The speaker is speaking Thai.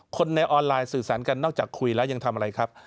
คนในออนไลน์สื่อสารกันนอกจากคุยแล้วยังทำอะไรครับ